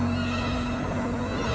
hei siapa itu